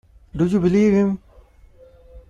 Do you believe him?